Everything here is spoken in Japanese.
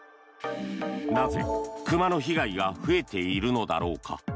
なぜ熊の被害が増えているのだろうか。